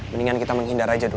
mendingan kita menghindar aja dulu